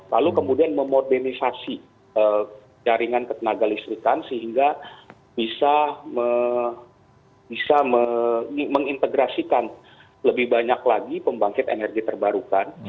lalu kemudian memodernisasi jaringan ketenaga listrikan sehingga bisa mengintegrasikan lebih banyak lagi pembangkit energi terbarukan